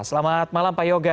selamat malam pak yoga